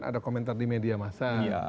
ada komentar di media masa